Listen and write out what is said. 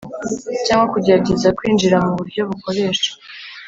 cyangwa kugerageza kwinjira mu buryo bukoresha